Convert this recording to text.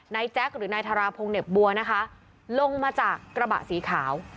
แจ๊คหรือนายธาราพงศ์เห็บบัวนะคะลงมาจากกระบะสีขาว